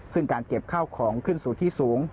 ซึ่งการเก็บข้าวของขึ้นสู่ที่สูง